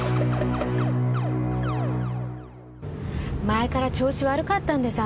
前から調子悪かったんです